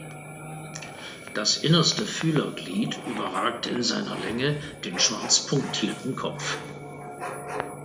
Das innerste Fühlerglied überragt in seiner Länge den schwarz punktierten Kopf.